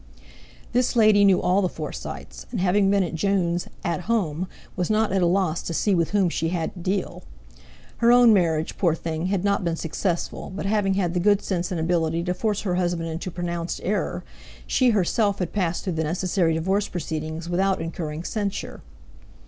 This lady knew all the Forsytes, and having been at Jun's "at home," was not at a loss to see with whom she had to deal. Her own marriage, poor thing, had not been successful, but having had the good sense and ability to force her husband into pronounced error, she herself had passed through the necessary divorce proceedings without incurring censure.